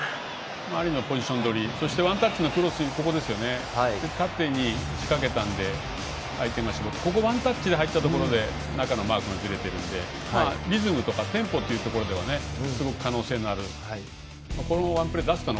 アリのポジション取りワンタッチのクロスに縦に仕掛けたので、相手が絞ってワンタッチで入ったところで中のマークがずれているのでリズムとかテンポというところではすごく可能性がありました。